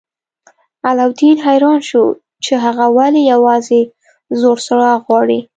علاوالدین حیران شو چې هغه ولې یوازې زوړ څراغ غواړي.